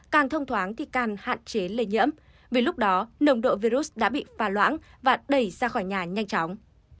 càng thông thoáng thì càng hạn chế lây nhiễm vì lúc đó nồng độ virus đã bị phà loãng và đẩy ra khỏi nhà nhanh chóng